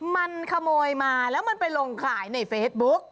มันขโมยมาแล้วมันไปลงขายในเฟซบุ๊ก